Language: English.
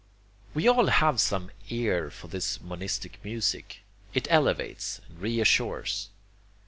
'" We all have some ear for this monistic music: it elevates and reassures.